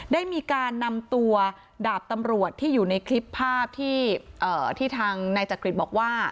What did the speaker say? ได้มีการนำตัวดาบตำรวจที่อยู่ในคลิปภาพที่ทางนายจักริตบอกว่า